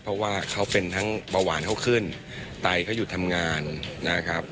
เพราะว่าเขาเป็นทั้งเบาหวานเขาขึ้นไตเขาหยุดทำงานนะครับ